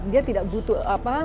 dia tidak butuh apa